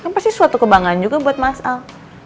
kan pasti suatu kebanggaan juga buat mas al